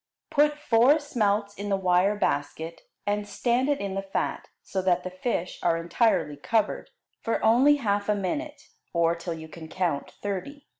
Put four smelts in the wire basket, and stand it in the fat, so that the fish are entirely covered, for only half a minute, or till you can count thirty.